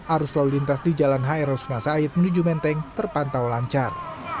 arus lalu lintas di jalan hr rasuna said menuju menteng terpantau lancar